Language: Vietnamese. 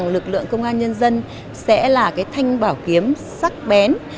lực lượng công an nhân dân sẽ là thanh bảo kiếm sắc bén